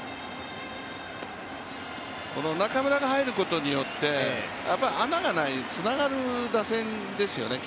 中村が入ることによって穴がない、つながる打線ですよね。